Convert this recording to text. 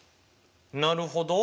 なるほど。